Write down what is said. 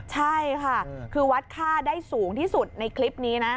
ใช่ค่ะคือวัดค่าได้สูงที่สุดในคลิปนี้นะ